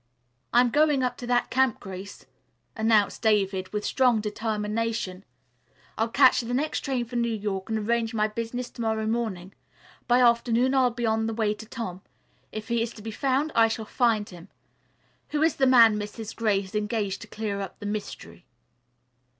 "I'm going up to that camp, Grace," announced David with strong determination. "I'll catch the next train for New York and arrange my business to morrow morning. By afternoon I'll be on the way to Tom. If he is to be found, I shall find him. Who is the man Mrs. Gray has engaged to clear up the mystery?"